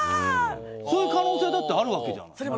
そういう可能性だってあるよ。